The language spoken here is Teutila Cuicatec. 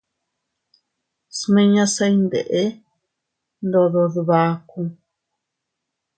Smiñase iyndeʼe ndodo dbaku.